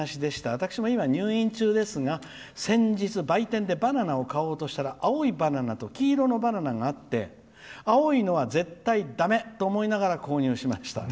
私も今、入院中ですが先日、売店でバナナを買おうとしたら青いバナナと黄色のバナナがあって青いのは絶対だめと思いながら購入しました。